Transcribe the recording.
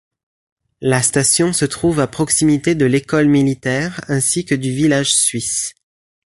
La station se trouve à proximité de l'École militaire ainsi que du Village suisse.